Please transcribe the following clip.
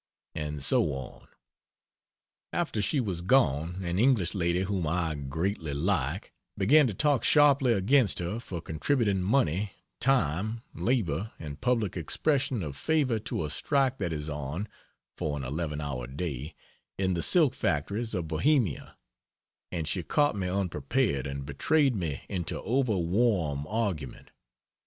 And so on. After she was gone an English lady whom I greatly like, began to talk sharply against her for contributing money, time, labor, and public expression of favor to a strike that is on (for an 11 hour day) in the silk factories of Bohemia and she caught me unprepared and betrayed me into over warm argument.